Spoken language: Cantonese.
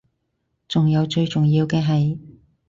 仲有最重要嘅係